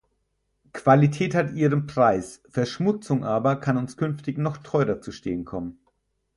Qualität hat ihren Preis, Verschmutzung aber kann uns künftig noch teurer zu stehen kommen.